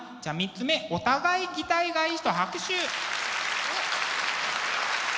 ３つ目「お互い擬態」がいい人拍手！